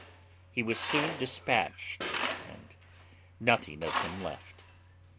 "_ He was soon despatched, and nothing of him left.